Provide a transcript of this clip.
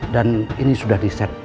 dan ini sudah di set